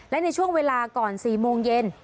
และในช่วงเวลาก่อน๔โมงเย็น